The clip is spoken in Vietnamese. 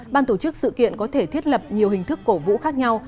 ban tổ chức sự kiện có thể thiết lập nhiều hình thức cổ vũ khác nhau